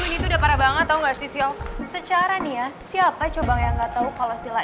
ini udah parah banget tahu nggak sisil secara nih ya siapa coba yang nggak tahu kalau sila